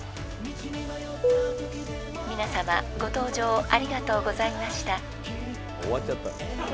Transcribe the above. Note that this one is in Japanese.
［皆さまご搭乗ありがとうございました］